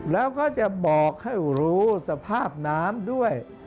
แล้วก็จะบอกให้รู้สภาพน้ำด้วย